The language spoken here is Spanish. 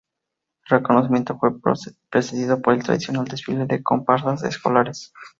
El reconocimiento fue precedido por el tradicional desfile de comparsas escolares.